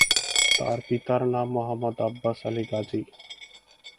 তার পিতার নাম মোহাম্মদ আব্বাস আলী গাজী।